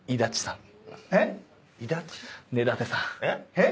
えっ？